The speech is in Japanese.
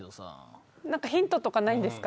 なんかヒントとかないんですか？